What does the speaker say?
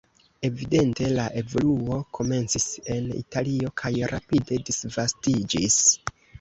Evidente la evoluo komencis en Italio kaj rapide disvastiĝis.